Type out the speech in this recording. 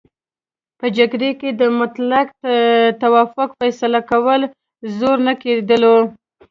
په جرګه کې به مطلق توافق فیصله کوله، زور نه کېدلو.